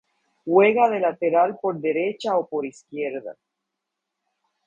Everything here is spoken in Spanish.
Juega de lateral por derecha o por izquierda.